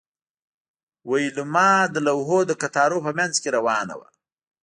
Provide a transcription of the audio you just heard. ویلما د لوحو د قطارونو په مینځ کې روانه وه